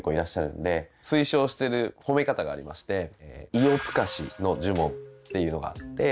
「イオプカシ」の呪文っていうのがあって。